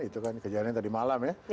itu kan kejadian tadi malam ya